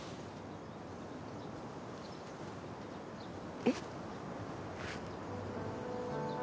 えっ？